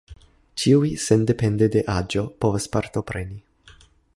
Ĉiuj, sendepende de aĝo, povas partopreni.